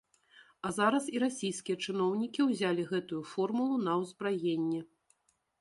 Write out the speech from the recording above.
А зараз і расійскія чыноўнікі ўзялі гэтую формулу на ўзбраенне.